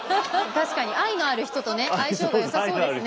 確かに愛のある人とね相性がよさそうですね